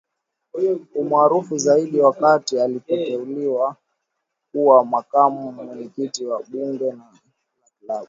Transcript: Umaarufu zaidi wakati alipoteuliwa kuwa Makamu Mwenyekiti wa Bunge la Katiba